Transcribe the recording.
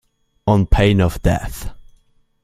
On pain of death.